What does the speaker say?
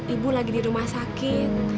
ibu lagi di rumah sakit